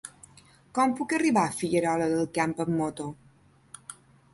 Com puc arribar a Figuerola del Camp amb moto?